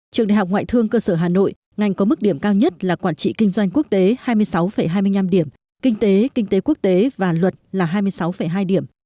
trường đại học ngoại thương cơ sở hà nội ngành có mức điểm cao nhất là quản trị kinh doanh quốc tế hai mươi sáu hai mươi năm điểm kinh tế kinh tế quốc tế và luật là hai mươi sáu hai điểm